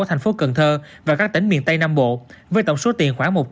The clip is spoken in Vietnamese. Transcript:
ở thành phố cần thơ và các tỉnh miền tây nam bộ với tổng số tiền khoảng một trăm linh tỷ đồng